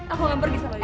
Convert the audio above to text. aku mau pergi sama dia